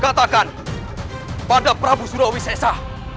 katakan pada prabu surawi sesa